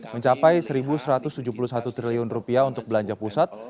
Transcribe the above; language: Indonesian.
mencapai seribu satu ratus tujuh puluh satu triliun rupiah untuk belanja pusat